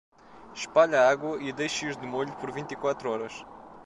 Espalhe a água e deixe-os de molho por vinte e quatro horas.